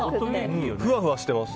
ふわふわしてます。